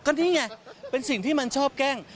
ก็นี่ไงเป็นสิ่งที่มันชอบแกล้ง